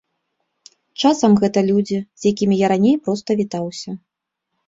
Часам гэта людзі, з якімі я раней проста вітаўся.